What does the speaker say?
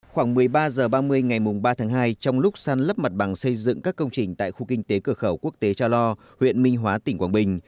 khoảng một mươi ba h ba mươi ngày ba tháng hai trong lúc săn lấp mặt bằng xây dựng các công trình tại khu kinh tế cửa khẩu quốc tế cha lo huyện minh hóa tỉnh quảng bình